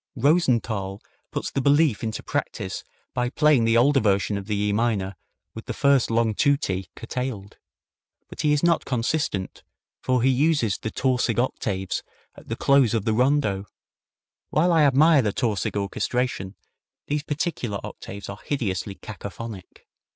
Rosenthal puts this belief into practice by playing the older version of the E minor with the first long tutti curtailed. But he is not consistent, for he uses the Tausig octaves at the close of the rondo. While I admire the Tausig orchestration, these particlar octaves are hideously cacaphonic.